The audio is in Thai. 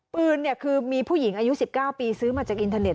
ปืนคือมีผู้หญิงอายุ๑๙ปีซื้อมาจากอินเทอร์เน็